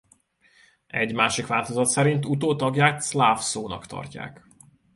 Egy másik változat szerint utótagját szláv szónak tartják.